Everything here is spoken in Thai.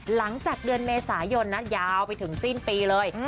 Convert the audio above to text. หลังจากเดือนเมษายนนะยาวไปถึงสิ้นปีเลย